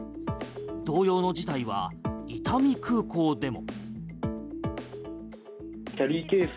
同様の事態は伊丹空港でも。